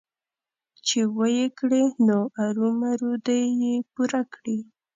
چې ويې کړي نو ارومرو دې يې پوره کړي.